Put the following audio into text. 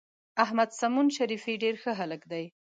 احمد سمون شریفي ډېر ښه هلک دی.